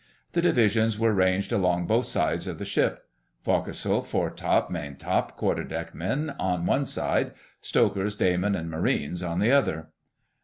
The divisions were ranged along both sides of the ship—Forecastle, Foretop, Maintop, Quarter deck men on one side, Stokers, Day men, and Marines on the other.